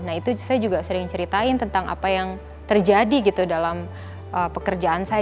nah itu saya juga sering ceritain tentang apa yang terjadi gitu dalam pekerjaan saya